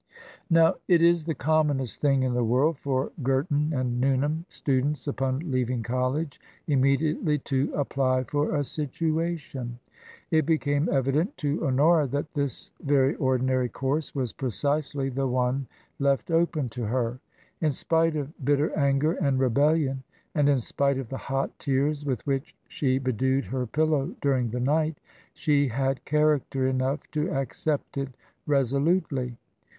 Now, it is the commonest thing in the world for Girton and Newnham students upon leaving college im mediately to apply for a situation." It became evident to Honora that this very ordinary course was precisely the one left open to her. In spite of bitter anger and rebellion, and in spite of the hot tears with which she bedewed her pillow during the night, she had character enough to accept it resolutely.